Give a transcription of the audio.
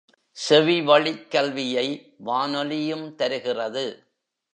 செவிவழிக் கல்வியை வானொலியும் தருகிறது.